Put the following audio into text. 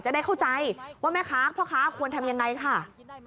จะได้เข้าใจว่าแม่ค้าพ่อค้าควรทำยังไงค่ะ